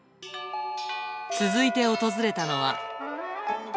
続いて訪れたのは。